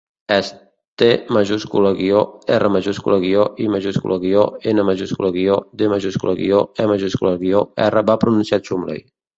És T-R-I-N-D-E-R, va pronunciar Chumley.